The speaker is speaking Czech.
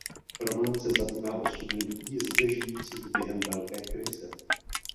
Román se zabývá osudy lidí zde žijících během Velké krize.